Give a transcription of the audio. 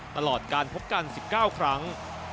ตลอดการพบกัน๑๙ครั้ง